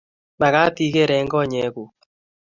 Magaat igeer eng konyeguk